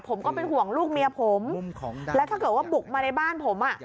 ผมก็เป็นห่วงลูกเมียผมแล้วถ้าเกิดว่าบุกมาในบ้านผมอ่ะ